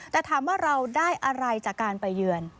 แต่ถามว่าเราได้อะไรจากการไปเยือน